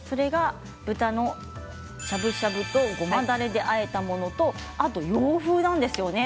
豚のしゃぶしゃぶとごまだれであえたものと洋風なんですよね。